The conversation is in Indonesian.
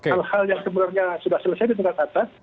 hal hal yang sebenarnya sudah selesai di tingkat atas